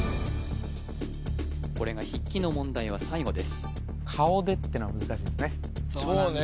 これが筆記の問題は最後ですそうね